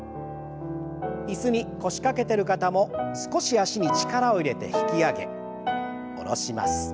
椅子に腰掛けてる方も少し脚に力を入れて引き上げ下ろします。